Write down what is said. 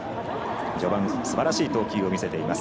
序盤、すばらしい投球を見せています。